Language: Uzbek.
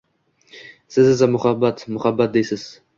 Siz esa muhabbat, muhabbt deysiz